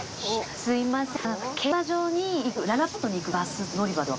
すいません。